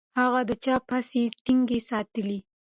هغه د چاپ هڅې ټینګې ساتلې.